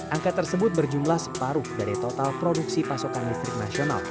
angka tersebut berjumlah separuh dari total produksi pasokan listrik nasional